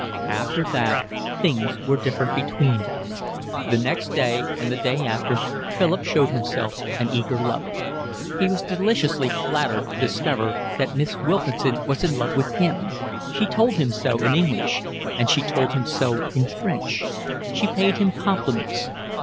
After that things were different between them. The next day and the day after Philip showed himself an eager lover. He was deliciously flattered to discover that Miss Wilkinson was in love with him: she told him so in English, and she told him so in French. She paid him compliments.